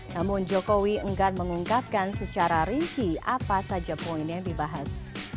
namun jokowi enggan mengungkapkan secara rinci apa saja poin yang dibahas